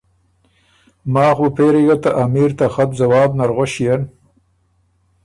ماخ بُو پېری ګۀ ته امیر ته خط ځواب نر غؤݭيېن